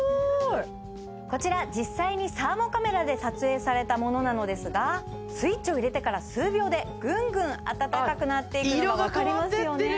こちら実際にサーモカメラで撮影されたものなのですがスイッチを入れてから数秒でぐんぐん暖かくなっていくのが分かりますよね